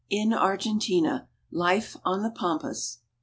IN ARGENTINA— LIFE ON THE PAMPAS.